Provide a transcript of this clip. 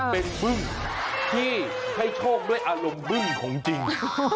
เป็นบึ้งที่ให้โชคด้วยอารมณ์บึ้งของจริง